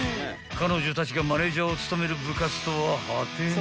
彼女たちがマネージャーを務める部活とははてな？］